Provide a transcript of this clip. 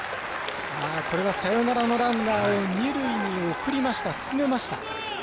これはサヨナラのランナーを二塁に送りました、進めました。